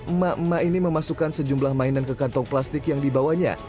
emak emak ini memasukkan sejumlah mainan ke kantong plastik yang dibawanya